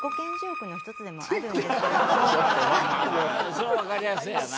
それはわかりやすいよな。